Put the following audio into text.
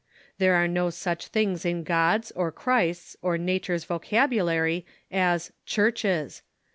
There are no such things in God's, or Christ's, or na ture's vocabulary as "clnirches."